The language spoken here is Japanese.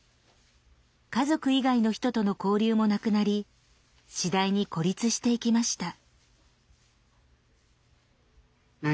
家族以外の人との交流もなくなり次第に孤立していきました。